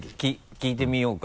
聞いてみようか？